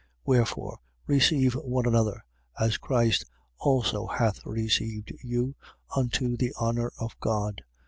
15:7. Wherefore, receive one another, as Christ also hath received you, unto the honour of God.